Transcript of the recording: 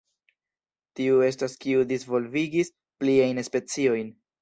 Tiu estas kiu disvolvigis pliajn speciojn.